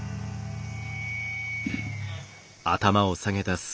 うん。